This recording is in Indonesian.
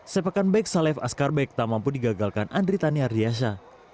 sepakan baik salif askarbek tak mampu digagalkan andritani ardiasa